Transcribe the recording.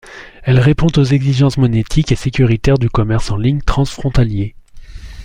Elle répond aux exigences monétiques et sécuritaires du commerce en ligne transfrontalier.